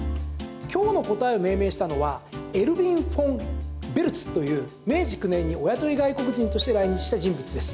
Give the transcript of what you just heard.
今日の答えを命名したのはエルヴィン・フォン・ベルツという明治９年にお雇い外国人として来日した人物です。